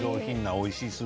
おいしい。